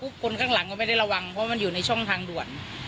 คนข้างหลังไม่ได้รัววลวงความมันอยู่ในช่องทางด่วน